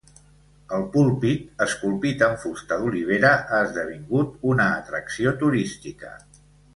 El púlpit, esculpit amb fusta d'olivera, ha esdevingut una atracció turística.